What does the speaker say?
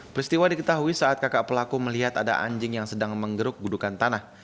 peristiwa diketahui saat kakak pelaku melihat ada anjing yang sedang menggeruk gudukan tanah